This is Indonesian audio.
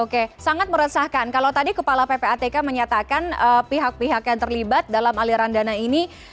oke sangat meresahkan kalau tadi kepala ppatk menyatakan pihak pihak yang terlibat dalam aliran dana ini